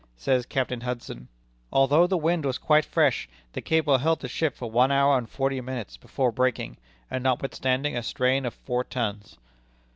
Says Captain Hudson: "Although the wind was quite fresh, the cable held the ship for one hour and forty minutes before breaking, and notwithstanding a strain of four tons."